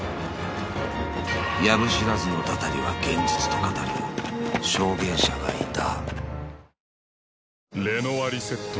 ［藪知らずのたたりは現実と語る証言者がいた］